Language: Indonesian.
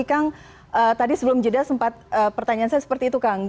kang tadi sebelum jeda sempat pertanyaan saya seperti itu kang